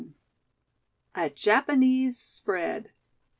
A JAPANESE SPREAD.